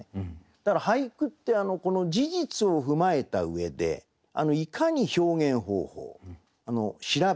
だから俳句って事実を踏まえた上でいかに表現方法調べ